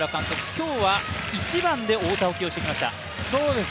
今日は１番で大田を起用してきました。